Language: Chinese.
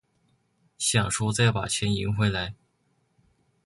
想说再把钱赢回来